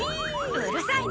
うるさいな！